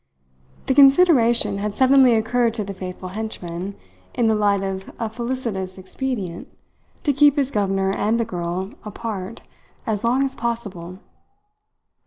The consideration had suddenly occurred to the faithful henchman, in the light of a felicitous expedient to keep his governor and the girl apart as long as possible.